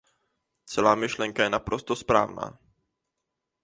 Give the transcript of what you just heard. Celá myšlenka je naprosto správná.